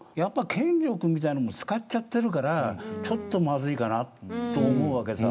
権力みたいなものを使っているからちょっとまずいかなと思うわけ。